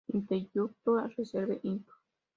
Intellectual Reserve, Inc.